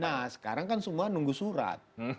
nah sekarang kan semua nunggu surat